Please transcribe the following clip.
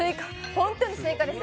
本当にスイカです。